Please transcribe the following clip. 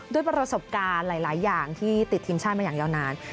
ด้วยประสบการณ์หลายอย่างที่ติดทีมชาติมาอย่างยาวนาน